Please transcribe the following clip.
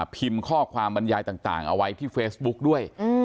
พิมพ์ข้อความบรรยายต่างเอาไว้ที่เฟซบุ๊กด้วย